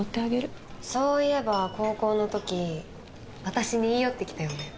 そういえば高校の時私に言い寄ってきたよね？